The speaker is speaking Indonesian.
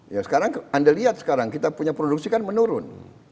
ya sekarang anda lihat sekarang kita punya produksi kan menurun